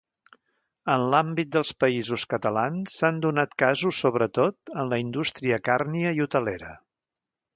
En l'àmbit dels Països Catalans s'han donat casos sobretot en la indústria càrnia i hotelera.